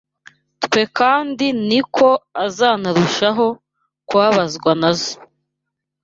kwe kandi ni ko azanarushaho kubabazwa na zo